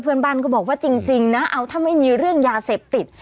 เพื่อนบ้านก็บอกว่าจริงนะเอาถ้าไม่มีเรื่องยาเสพติด